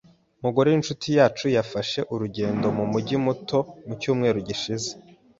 Umugore w'inshuti yacu yafashe urugendo mu mujyi muto mu cyumweru gishize.